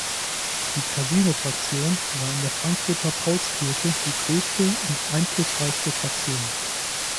Die Casino-Fraktion war in der Frankfurter Paulskirche die größte und einflussreichste Fraktion.